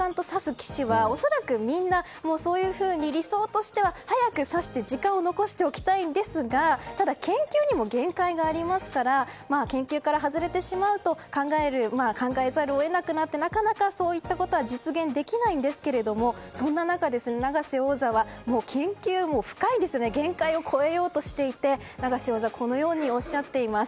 棋士は恐らく、みんなそういうふうに理想としては早く指して時間を残しておきたいんですがただ研究にも限界がありますから研究から外れてしまうと考えざるを得なくなってなかなかそういったことが実現できないんですけどもそんな中、永瀬王座は研究も深いですから限界を超えようとしていて永瀬王座はこのようにおっしゃっています。